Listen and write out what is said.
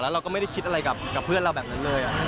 เราก็ไม่ได้คิดอะไรกับเพื่อนเราแบบนั้นเลย